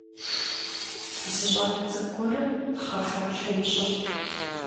Зы щӏалэ цӏыкӏу гуэрым пхъэ фалъэ ищӏырт.